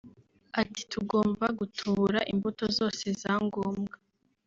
Ati “Tugomba gutubura imbuto zose za ngombwa